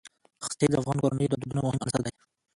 ښتې د افغان کورنیو د دودونو مهم عنصر دی.